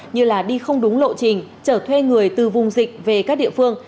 như là đi không đúng lộ trình trở thuê người từ vùng dịch về các địa phương